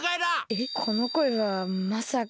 えっこのこえはまさか。